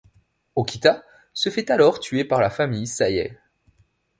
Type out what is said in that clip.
Okita se fait alors tuer par la famille Saiei.